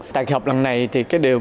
tại kỳ họp lần này thì cái điều